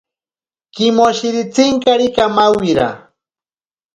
Kimoshiritsinkari kamawira.